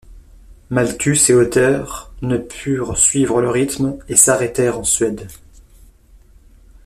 Malthuss et Otter ne purent suivre le rythme et s'arrêtèrent en Suède.